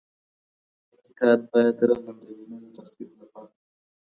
انتقاد بايد رغنده وي نه د تخريب لپاره.